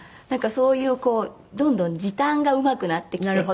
なんかそういうどんどん時短がうまくなってきて。